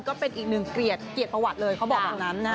ก็เป็นอีกหนึ่งเกลียดเกลียดประวัติเลยเขาบอกอย่างนั้นนะ